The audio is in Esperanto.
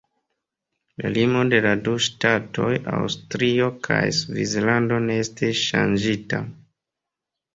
La limo de la du ŝtatoj Aŭstrio kaj Svislando ne estis ŝanĝita.